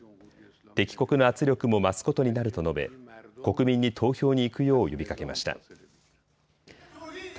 敵国の圧力も増すことになると述べ国民に投票に行くよう呼びかけました。